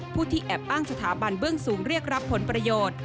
ผู้ที่แอบอ้างสถาบันเบื้องสูงเรียกรับผลประโยชน์